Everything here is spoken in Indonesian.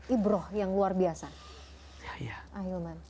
ibroh yang luar biasa